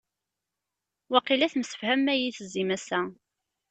Waqila temsefhamem ad iyi-tezzim ass-a.